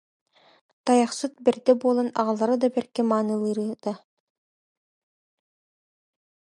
Та- йахсыт бэрдэ буолан аҕалара да бэркэ маанылыыр ыта